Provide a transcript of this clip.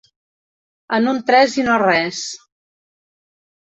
En unt res i no res.